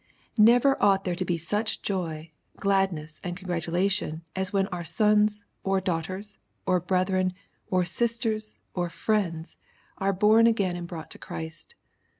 Never ought there to be such joy, gladness, and congratulation, as when our sons, or daughters, or brethren, or sisters, or frieads, are born again and brought to Christ.